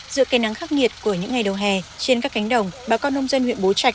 giữa cây nắng khắc nghiệt của những ngày đầu hè trên các cánh đồng bà con nông dân huyện bố trạch